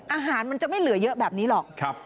อาหารมันจะไม่เหลือเยอะแบบนี้หรอก